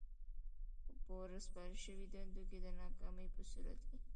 په ورسپارل شوې دنده کې د ناکامۍ په صورت کې.